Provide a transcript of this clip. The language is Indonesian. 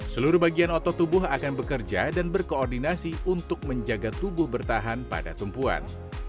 seluruh bagian otot tubuh akan bekerja dan berkoordinasi untuk menjaga tubuh bertahan pada tumpuan